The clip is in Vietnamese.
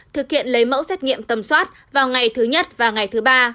thực hiện lấy mẫu xét nghiệm tầm soát vào ngày thứ nhất và ngày thứ ba